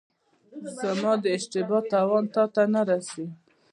زما د اشتبا تاوان تاته نه رسي.